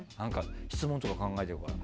質問とか考えてるから。